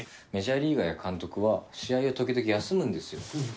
メジャーリーガーや監督は試合を時々休むんですよ。